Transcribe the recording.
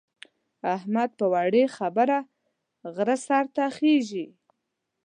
احمد په وړې خبره غره سر ته خېژي.